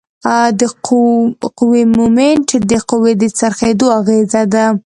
د قوې مومنټ د قوې د څرخیدو اغیزه ده.